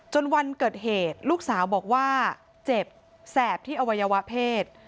วันเกิดเหตุลูกสาวบอกว่าเจ็บแสบที่อวัยวะเพศ